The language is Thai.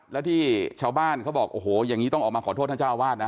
แล้วที่ชาวบ้านเขาบอกโอ้โหอย่างนี้ต้องออกมาขอโทษท่านเจ้าอาวาสนะ